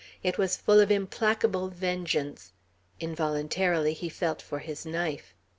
It was full of implacable vengeance. Involuntarily he felt for his knife.